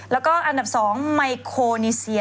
แล้วก็อันดับ๒ไมโคนิเซีย